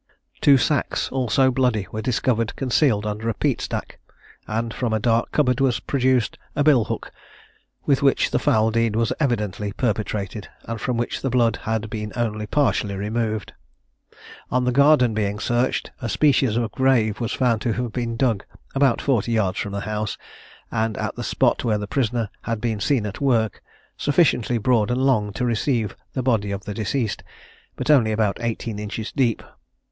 Two sacks, also bloody, were discovered concealed under a peat stack, and from a dark cupboard was produced a bill hook with which the foul deed was evidently perpetrated, and from which the blood had been only partially removed. On the garden being searched, a species of grave was found to have been dug about forty yards from the house, and at the spot where the prisoner had been seen at work, sufficiently broad and long to receive the body of the deceased, but only about eighteen inches deep.